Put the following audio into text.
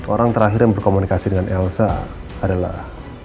orang terakhir yang berkomunikasi dengan elsa adalah